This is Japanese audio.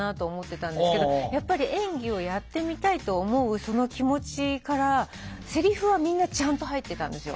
やっぱり演技をやってみたいと思うその気持ちからせりふはみんなちゃんと入ってたんですよ。